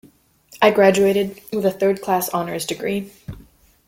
I graduated with a third class honours degree.